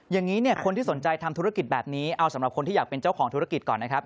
อย่างนี้เนี่ยคนที่สนใจทำธุรกิจแบบนี้เอาสำหรับคนที่อยากเป็นเจ้าของธุรกิจก่อนนะครับ